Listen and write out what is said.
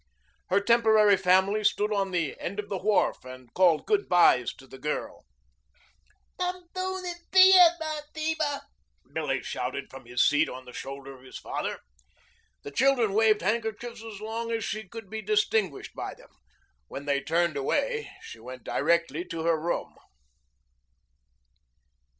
Her temporary family stood on the end of the wharf and called good byes to the girl. "Tum soon and see us, Aunt Sheba," Billie shouted from his seat on the shoulder of his father. The children waved handkerchiefs as long as she could be distinguished by them. When they turned away she went directly to her room.